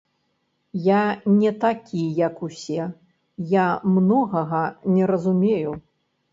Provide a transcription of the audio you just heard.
Я не такі як усе, я многага не разумею.